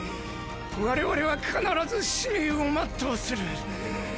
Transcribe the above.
我々は必ず使命を全うする！！